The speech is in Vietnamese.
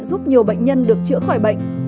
giúp nhiều bệnh nhân được chữa khỏi bệnh